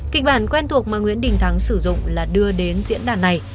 kịch bản quen thuộc mà nguyễn đình thắng sử dụng là đưa đến diễn đàn này